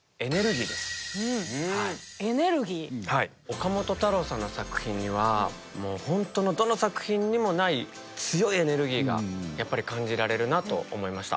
岡本太郎さんの作品にはほんとのどの作品にもない強いエネルギーがやっぱり感じられるなと思いました。